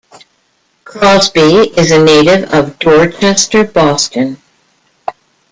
Crosby is a native of Dorchester, Boston.